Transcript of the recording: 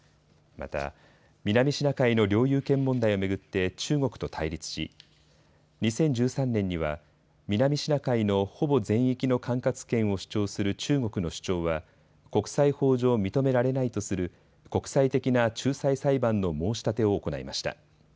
また南シナ海の領有権問題を巡って中国と対立し２０１３年には南シナ海のほぼ全域の管轄権を主張する中国の主張は国際法上認められないとする国際的な仲裁裁判の申し立てを行いました。